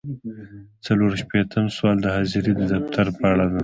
څلور شپیتم سوال د حاضرۍ د دفتر په اړه دی.